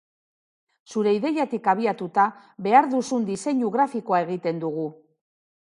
Zure ideatik abiatuta, behar duzun diseinu grafikoa egiten dugu.